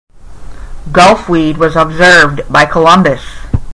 Gulfweed was observed by Columbus.